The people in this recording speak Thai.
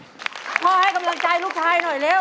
พ่อให้กำลังใจลูกชายหน่อยเร็ว